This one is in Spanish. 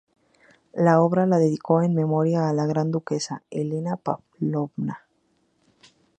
La obra la dedicó a la memoria de la Gran duquesa Elena Pávlovna.